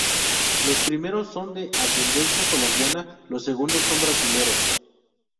Los primeros son de ascendencia colombiana, los segundos son brasileros.